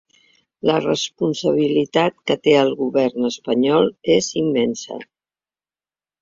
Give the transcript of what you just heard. La responsabilitat que té el govern espanyol és immensa.